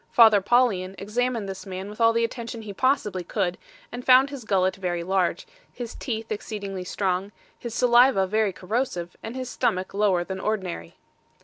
Father Paulian examined this man with all the attention he possibly could, and found his gullet very large, his teeth exceedingly strong, his saliva very corrosive, and his stomach lower than ordinary.